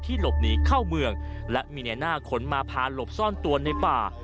หลบหนีเข้าเมืองและมีในหน้าขนมาพาหลบซ่อนตัวในป่า